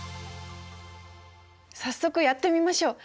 早速やってみましょう。